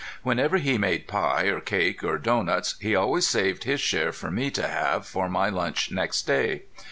Whenever he made pie or cake or doughnuts he always saved his share for me to have for my lunch next day.